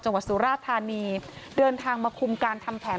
สุราธานีเดินทางมาคุมการทำแผน